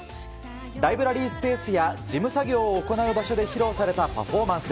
ライブラリースペースや事務作業を行う場所で披露されたパフォーマンス。